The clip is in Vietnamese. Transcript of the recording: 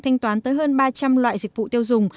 thanh toán tới hơn ba trăm linh loại dịch vụ tiêu dùng